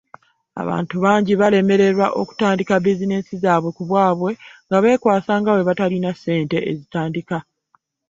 Abantu bangi balemererwa okutandika bizinensi zaabwe ku bwabwe nga beekwasa nga bwe batalina ssente ezitandika.